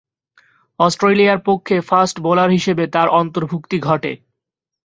অস্ট্রেলিয়ার পক্ষে fast bowler হিসেবে তার অন্তর্ভুক্তি ঘটে।